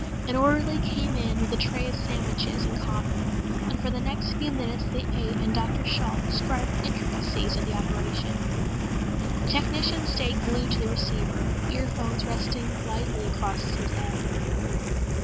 An orderly came in with a tray of sandwiches and coffee and for the next few minutes they ate and Dr. Shalt described the intricacies of the operation. The technician stayed glued to the receiver, earphones resting lightly across his head.